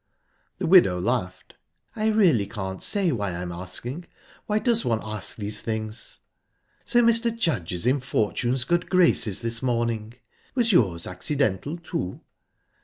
The widow laughed. "I really can't say why I'm asking. Why does one ask these things? So Mr. Judge is in Fortune's good graces this morning. Was yours accidental, too?"